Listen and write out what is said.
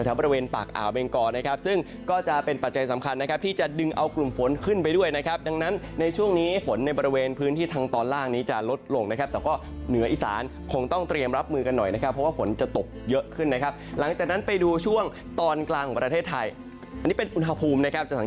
บริเวณปากอ่าวเบงกอนะครับซึ่งก็จะเป็นปัจจัยสำคัญนะครับที่จะดึงเอากลุ่มฝนขึ้นไปด้วยนะครับดังนั้นในช่วงนี้ฝนในบริเวณพื้นที่ทางตอนล่างนี้จะลดลงนะครับแต่ก็เหนืออีสานคงต้องเตรียมรับมือกันหน่อยนะครับเพราะว่าฝนจะตกเยอะขึ้นนะครับหลังจากนั้นไปดูช่วงตอนกลางของประเทศไทยอันนี้เป็นอุณหภูมินะครับจะส